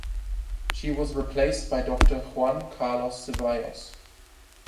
She was replaced by Doctor Juan Carlos Zevallos.